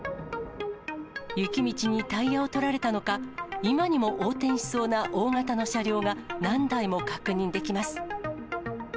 雪道にタイヤを取られたのか、今にも横転しそうな大型の車両が何台も確認できます。